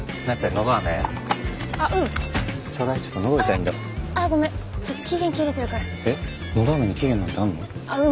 のどあめに期限なんてあんの？